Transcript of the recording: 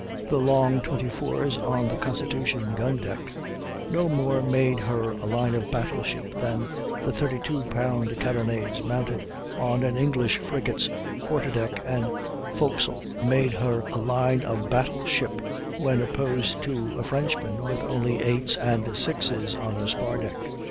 The long 24's on the Constitution's gun deck no more made her a line of battle ship than the 32 pound carronades mounted on an English frigate's quarter deck and forecastle made her a line of battle ship when opposed to a Frenchman with only 8's and 6's on his spar deck.